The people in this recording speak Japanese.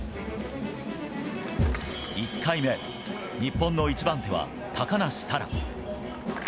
１回目、日本の１番手は高梨沙羅。